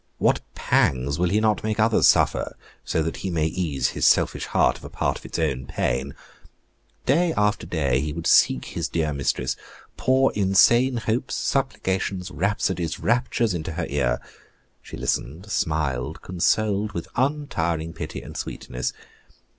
What pangs will he not make others suffer, so that he may ease his selfish heart of a part of its own pain? Day after day he would seek his dear mistress, pour insane hopes, supplications, rhapsodies, raptures, into her ear. She listened, smiled, consoled, with untiring pity and sweetness.